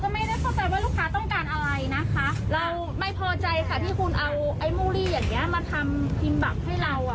มาทำทิมปักให้เราอะค่ะ